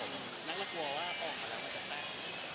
นักละกลัวว่าออกมาแล้วมันจะแตก